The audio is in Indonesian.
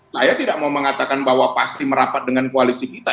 saya tidak mau mengatakan bahwa pasti merapat dengan koalisi kita